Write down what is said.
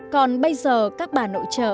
còn bây giờ các bà nội trợ